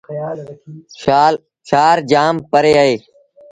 شآهر جآم پري اهي ۔